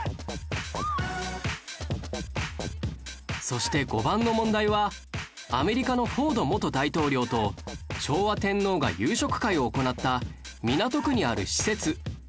そして５番の問題はアメリカのフォード元大統領と昭和天皇が夕食会を行った港区にある施設